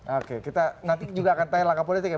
oke kita nanti juga akan tanya langkah politik ya